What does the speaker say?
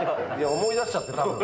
思い出しちゃって、たぶん。